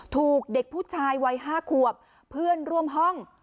ถูกเด็กผู้ชายวัย๕ขวบเพื่อนร่วมห้อง